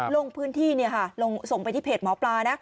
ลงพื้นที่ส่งไปที่เพจหมอปลานะ